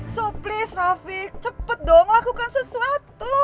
so please rafik cepet dong lakukan sesuatu